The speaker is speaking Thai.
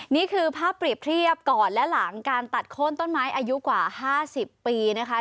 นี่คือภาพเปรียบเทียบก่อนและหลังการตัดโค้นต้นไม้อายุกว่า๕๐ปีนะคะ